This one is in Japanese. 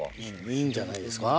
いいんじゃないですか。